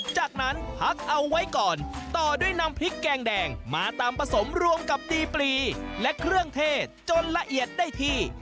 จากนั้นพักเอาไว้ก่อนต่อด้วยนำพริกแกงแดงมาตามผสมรวมกับตีปลีและเครื่องเทศจนละเอียดได้ที่